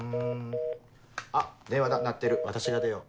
あ電話だ鳴ってる私が出よう。